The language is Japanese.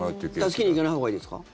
助けに行かないほうがいいですか？